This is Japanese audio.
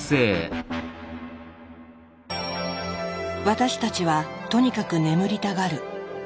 私たちはとにかく眠りたがる。